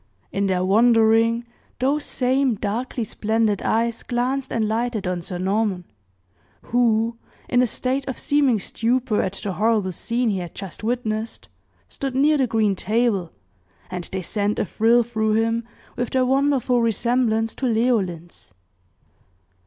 In their wandering, those same darkly splendid eyes glanced and lighted on Sir Norman, who, in a state of seeming stupor at the horrible scene he had just witnessed, stood near the green table, and they sent a thrill through him with their wonderful resemblance to Leoline's.